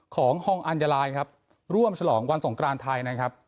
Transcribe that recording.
ของฮองอัญญาลายครับร่วมฉลองวันสงกรานไทยนะครับ